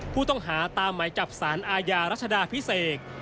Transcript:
ผู้ต้องหาตามหมายจับสารอาญารัชดาพิเศษ